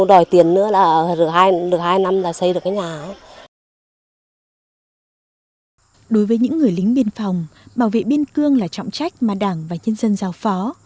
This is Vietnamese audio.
đối với những người lính biên phòng bảo vệ biên cương là trọng trách mà đảng và nhân dân giao phó